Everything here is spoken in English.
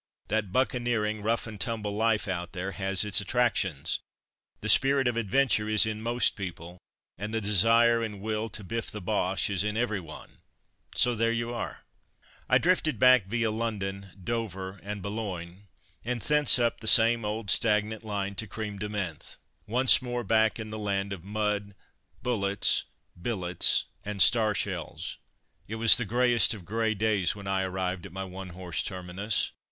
That buccaneering, rough and tumble life out there has its attractions. The spirit of adventure is in most people, and the desire and will to biff the Boches is in every one, so there you are. I drifted back via London, Dover and Boulogne, and thence up the same old stagnant line to Crême de Menthe. Once more back in the land of mud, bullets, billets, and star shells. It was the greyest of grey days when I arrived at my one horse terminus.